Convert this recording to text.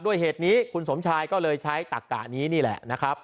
เหตุนี้คุณสมชายก็เลยใช้ตักกะนี้นี่แหละนะครับ